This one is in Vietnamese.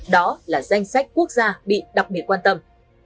đó là danh sách quốc gia bị đặc biệt quan tâm